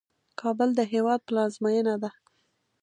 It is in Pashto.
کابل د هیواد پلازمینه ده